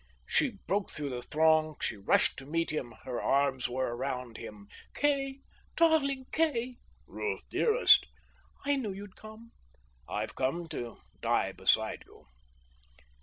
She broke through the throng; she rushed to meet him. Her arms were around him. "Kay, darling Kay!" "Ruth, dearest!" "I knew you'd come." "I've come to die beside you!"